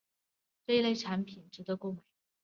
这一类产品可以在硬体商店或线上商店购得。